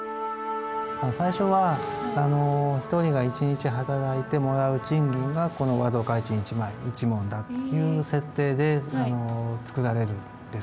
最初は一人が一日働いてもらう賃金がこの和同開珎１枚１文だっていう設定でつくられるんですけど。